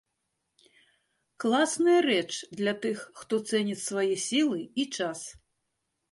Класная рэч для тых, хто цэніць свае сілы і час.